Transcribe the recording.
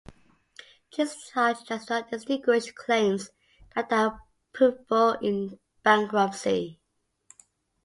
Discharge does not extinguish claims that are provable in bankruptcy.